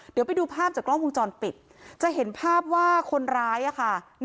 เดี๋ยวไปดูภาพจากกล้องวงจรปิดจะเห็นภาพว่าคนร้ายค่ะ